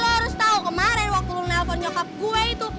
ya lo harus tau kemaren waktu lo nelfon nyokap gue itu